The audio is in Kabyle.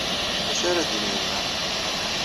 D acu ara d-tini yemma-m?